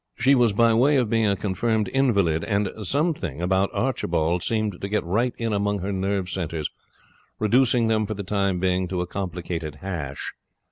She was by way of being a confirmed invalid, and something about Archibald seemed to get right in among her nerve centres, reducing them for the time being to a complicated hash.